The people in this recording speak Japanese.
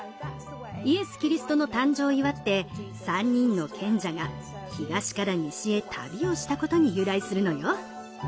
イエス・キリストの誕生を祝って３人の賢者が東から西へ旅をしたことに由来するのよ。